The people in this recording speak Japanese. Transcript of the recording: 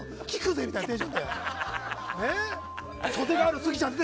みたいなテンションで。